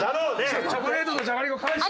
チョコレートとじゃがりこ返して。